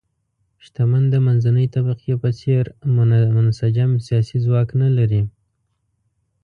شتمن د منځنۍ طبقې په څېر منسجم سیاسي ځواک نه لري.